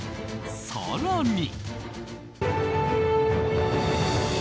更に。